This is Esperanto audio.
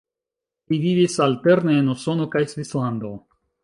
Li vivis alterne en Usono kaj Svislando.